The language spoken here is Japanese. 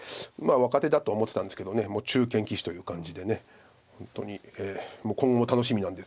若手だと思ってたんですけどもう中堅棋士という感じで本当に今後楽しみなんですけども。